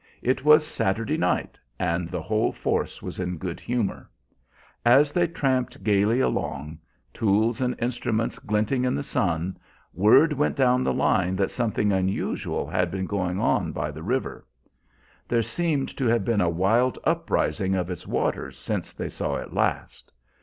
It was "Saturday night," and the whole force was in good humor. As they tramped gayly along, tools and instruments glinting in the sun, word went down the line that something unusual had been going on by the river. There seemed to have been a wild uprising of its waters since they saw it last.